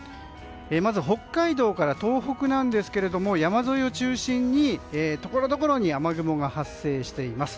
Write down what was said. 北海道から東北は山沿いを中心にところどころに雨雲が発生しています。